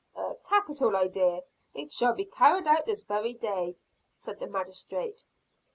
"A capital idea! It shall be carried out this very day," said the magistrate.